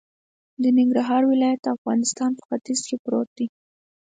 د ننګرهار ولایت د افغانستان په ختیځ کی پروت دی